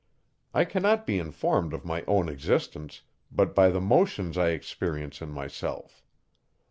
I cannot be informed of my own existence but by the motions I experience in myself.